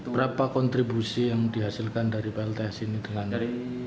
berapa kontribusi yang dihasilkan dari plts ini dilantik